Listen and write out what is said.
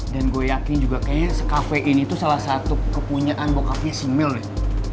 dan gue yakin juga kayaknya sekafe ini tuh salah satu kepunyaan bokapnya si mel nih